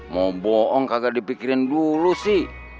mau bohong kagak dipikirin dulu sih